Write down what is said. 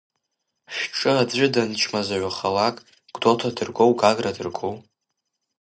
Шәҿы аӡәы данчмазаҩхалак Гәдоуҭа дыргоу, Гагра дыргоу?